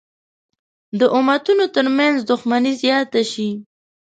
د امتونو تر منځ دښمني زیاته شي.